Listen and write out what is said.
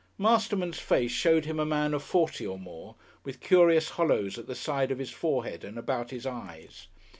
Masterman's face showed him a man of forty or more, with curious hollows at the side of his forehead and about his eyes.